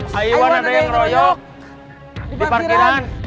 saya iwan ada yang ngeroyok di parkiran